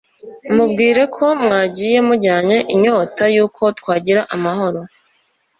Mubwire ko mwagiye mujyanye inyota y'uko twagira amahoro,